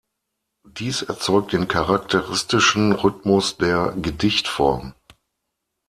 Dies erzeugt den charakteristischen Rhythmus der Gedichtform.